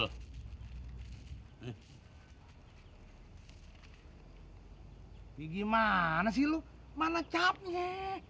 hai eh hai gimana sih lu mana capnya